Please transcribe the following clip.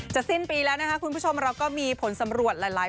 สิ้นปีแล้วนะคะคุณผู้ชมเราก็มีผลสำรวจหลาย